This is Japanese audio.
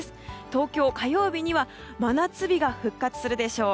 東京、火曜日には真夏日が復活するでしょう。